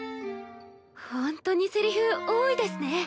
ほんとにセリフ多いですね。